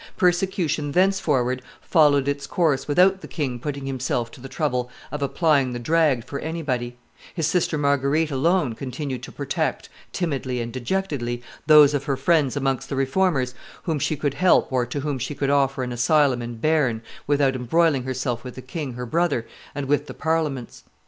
Persecution thenceforward followed its course without the king putting himself to the trouble of applying the drag for anybody; his sister Marguerite alone continued to protect, timidly and dejectedly, those of her friends amongst the reformers whom she could help or to whom she could offer an asylum in Bearn without embroiling herself with the king, her brother, and with the Parliaments.